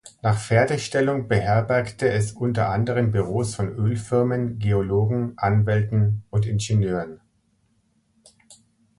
Nach Fertigstellung beherbergte es unter anderem Büros von Ölfirmen, Geologen, Anwälten und Ingenieuren.